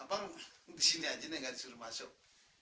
abang disini aja nih gak disuruh masuk